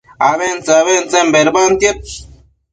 abentse-abentsen bedbantiad